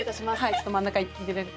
ちょっと真ん中行って頂いて。